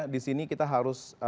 di sini kita harus